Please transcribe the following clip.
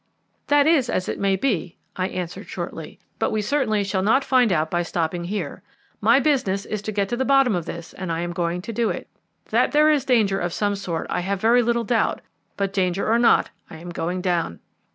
"That is as it may be," I answered shortly; "but we certainly shall not find out by stopping here. My business is to get to the bottom of this, and I am going to do it. That there is danger of some sort, I have very little doubt; but danger or not, I am going down."